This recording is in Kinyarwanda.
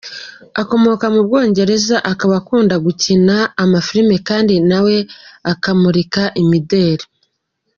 Akomoka mu Bwongereza, akaba akunda gukina amafilimi kandi na we akamurika imideli.